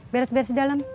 beres beres di dalam